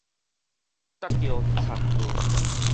搭著賊船